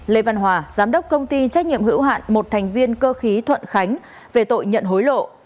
lê văn hòa giám đốc công ty trách nhiệm hữu hạn một thành viên cơ khí thuận khánh về tội nhận hối lộ